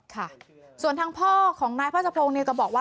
ค่ะส่วนทางพ่อของนายพระสภงก็บอกว่า